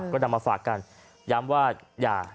ก็นำมาฝากกันย้ำว่าอย่า